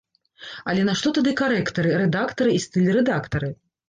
Але нашто тады карэктары, рэдактары і стыль-рэдактары?